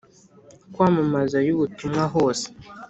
kwamamazayo ubutumwa hose